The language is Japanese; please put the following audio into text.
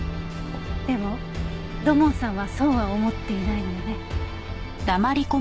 でも土門さんはそうは思っていないのよね？